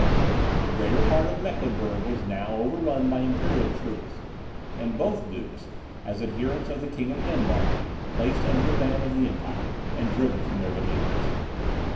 The greater part of Mecklenburgh was now overrun by imperial troops; and both dukes, as adherents of the King of Denmark, placed under the ban of the empire, and driven from their dominions.